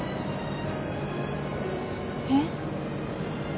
えっ。